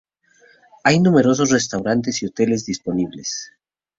Hay numerosos restaurantes y hoteles disponibles.